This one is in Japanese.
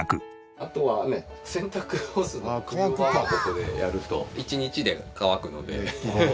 あとはね洗濯干すの冬場はここでやると１日で乾くので。